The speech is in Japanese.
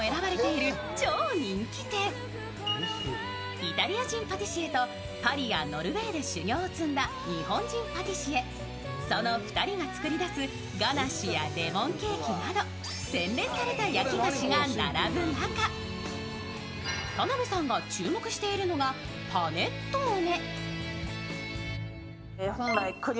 イタリア人パティシエとパリやノルウェーで修行を積んだ日本人パティシエその２人が作り出すガナッシュやレモンケーキなど洗練された焼き菓子が並ぶ中、田辺さんが注目しているのがパネットーネ。